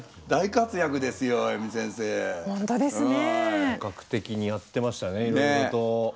本格的にやってましたねいろいろと。